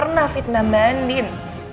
saya gak pernah fitnah mandin